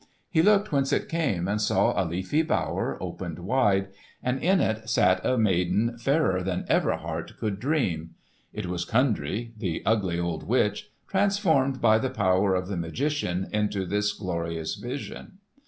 He looked whence it came and saw a leafy bower opened wide, and in it sat a maiden fairer than ever heart could dream. It was Kundry, the ugly old witch, transformed by the power of the magician into this glorious vision.